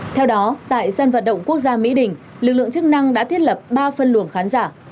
theo đó tại sân vận động quốc gia mỹ đình lực lượng chức năng đã thiết lập ba phân luồng khán giả